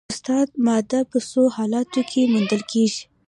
استاده ماده په څو حالتونو کې موندل کیږي